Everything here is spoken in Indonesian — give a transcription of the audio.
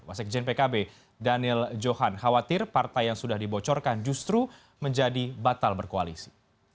wasekjen pkb daniel johan khawatir partai yang sudah dibocorkan justru menjadi batal berkoalisi